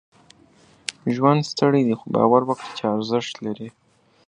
ژوند ستړی دی، خو؛ باور وکړئ چې ارزښت لري.